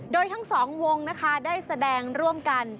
โดยทั้งสองวงนะคะได้แสดงร่วมกัน